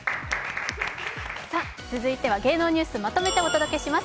続いては芸能ニュースまとめてお届けします。